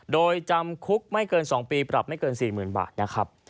โดยจำคุกไม่เกิน๒ปีปรับไม่เกิน๔๐๐๐บาทนะครับ